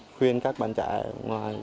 khuyên các bạn trẻ ở ngoài